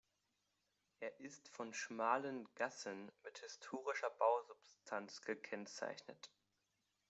Er ist von schmalen Gassen mit historischer Bausubstanz gekennzeichnet.